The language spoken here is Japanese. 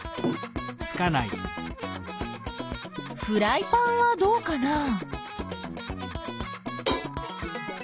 フライパンはどうかな？